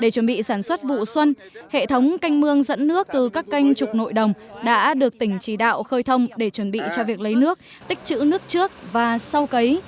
để chuẩn bị sản xuất vụ xuân hệ thống canh mương dẫn nước từ các kênh trục nội đồng đã được tỉnh chỉ đạo khơi thông để chuẩn bị cho việc lấy nước tích chữ nước trước và sâu cấy